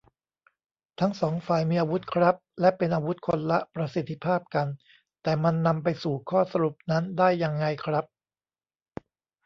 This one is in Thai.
ทั้งสองฝ่ายมีอาวุธครับ และเป็นอาวุธคนละประสิทธิภาพกัน แต่มันนำไปสู่ข้อสรุปนั้นได้ยังไงครับ